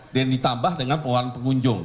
dan ditambah dengan penguatan pengunjung